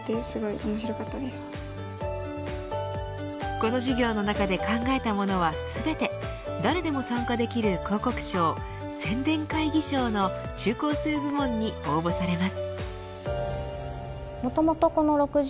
この授業の中で考えたものは全て誰でも参加できる広告賞宣伝会議賞の中高生部門に応募されます。